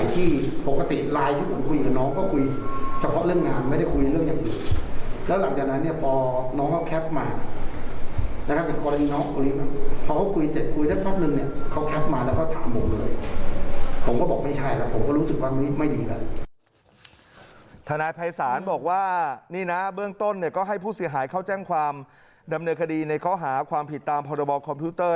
นายภัยศาลบอกว่านี่นะเบื้องต้นเนี่ยก็ให้ผู้เสียหายเข้าแจ้งความดำเนินคดีในข้อหาความผิดตามพรบคอมพิวเตอร์